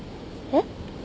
えっ？